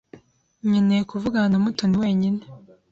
Nkeneye kuvugana na Mutoni wenyine.